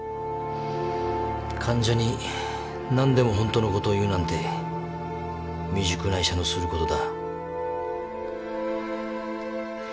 患者に何でも本当のことを言うなんて未熟な医者のすることだ・